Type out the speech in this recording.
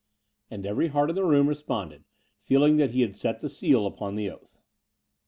And every heart in the room responded, feeling that he had set the seal upon the oath.